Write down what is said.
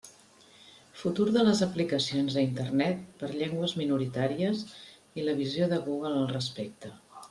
Futur de les aplicacions a Internet per a llengües minoritàries i la visió de Google al respecte.